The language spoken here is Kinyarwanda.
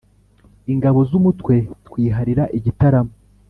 ingabo z'umutwe twiharira igitaramo